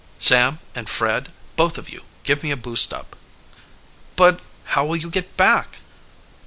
"Sam and Fred, both of you give me a boost up." "But how will you get back?"